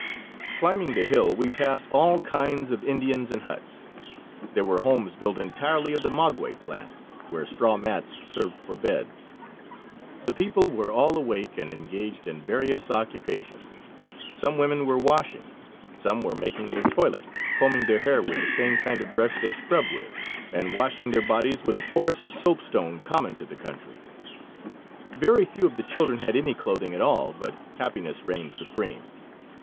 Climbing the hill we passed all kinds of Indians and huts. There were homes built entirely of the maguey plant, where straw mats served for beds. The people were all awake and engaged in various occupations; some women were washing, some were making their toilet combing their hair with the same kind of brush they scrub with, and washing their bodies with a porous soapstone common to the country. Very few of the children had any clothing at all, but happiness reigned supreme.